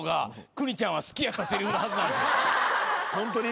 ホントに？